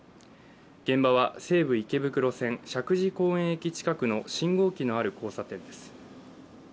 現場は西武池袋線・石神井公園駅近くの信号機のある交差点です。